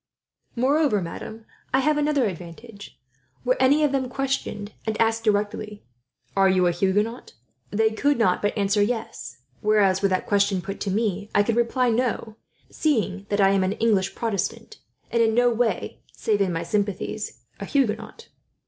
"Moreover, madam, I have another advantage. Were any of them questioned, and asked directly, 'Are you a Huguenot?' they could not but answer yes; whereas, were that question put to me I could reply 'no,' seeing that I am an English Protestant, and in no way, save in my sympathies, a Huguenot."